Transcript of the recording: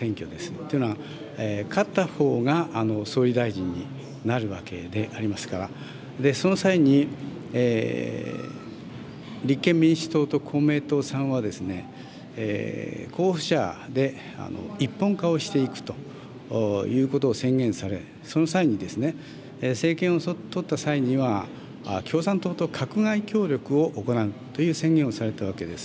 というのは、勝ったほうが総理大臣になるわけでありますから、その際に、立憲民主党と公明党さんは、候補者で一本化をしていくということを宣言され、その際に、政権を取った際には、共産党と閣外協力を行うという宣言をされたわけです。